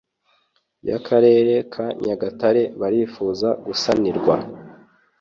yakarere ka nyagatare barifuza gusanirwa